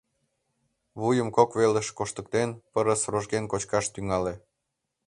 Вуйым кок велыш коштыктен, пырыс рожген кочкаш тӱҥале.